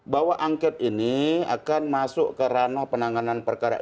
bahwa angket ini akan masuk ke ranah penanganan perkara